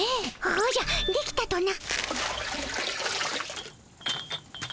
おじゃできたとな？